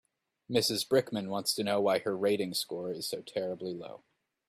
Mrs Brickman wants to know why her rating score is so terribly low.